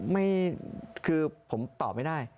ไม่คือผมตอบไม่ได้